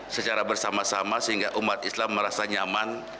secara bersama sama sehingga umat islam merasa nyaman